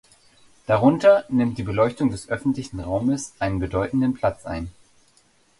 Darunter nimmt die Beleuchtung des öffentlichen Raumes einen bedeutenden Platz ein.